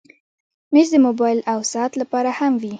مېز د موبایل او ساعت لپاره هم وي.